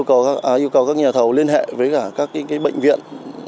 đồng thời chủ tư cũng đã yêu cầu các nhà thầu liên hệ với các bệnh viện